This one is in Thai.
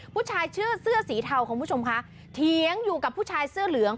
ผู้ชายชื่อเสื้อสีเทาคุณผู้ชมคะเถียงอยู่กับผู้ชายเสื้อเหลือง